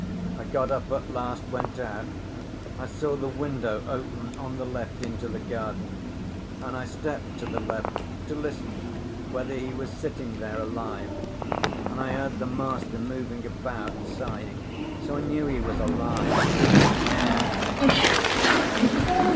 I got up at last, went out. I saw the window open on the left into the garden, and I stepped to the left to listen whether he was sitting there alive, and I heard the master moving about, sighing, so I knew he was alive. 'Ech!' I thought.